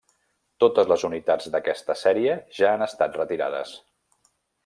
Totes les unitats d'aquesta sèrie ja han estat retirades.